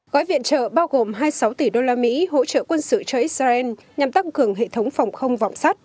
gói viện trợ bao gồm hai mươi sáu tỷ đô la mỹ hỗ trợ quân sự cho israel nhằm tăng cường hệ thống phòng không vọng sắt